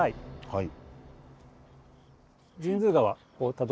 はい。